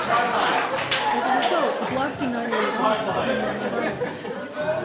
As a result, the block did not air at all in the Piedmont Triad.